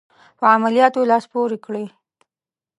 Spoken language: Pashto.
په عملیاتو لاس پوري کړي.